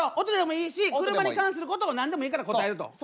音でもいいし車に関することを何でもいいから答えると。